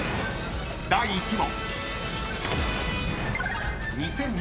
［第１問］